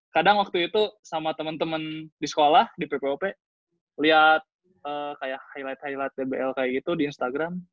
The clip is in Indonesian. kadang waktu itu sama teman teman di sekolah di ppop lihat kayak highlight highlight dbl kayak gitu di instagram